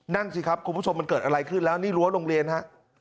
นั่นสิครับคุณผู้ชมมันเกิดอะไรขึ้นแล้วนี่รั้วโรงเรียนฮะ